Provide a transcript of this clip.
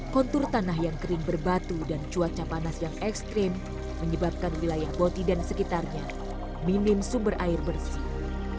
kontur tanah yang kering berbatu dan cuaca panas yang ekstrim menyebabkan wilayah boti dan sekitarnya minim sumber air bersih